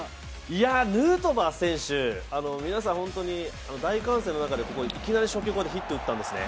いや、ヌートバー選手、皆さん、大歓声の中でいきなり初球、ヒット打ったんですね。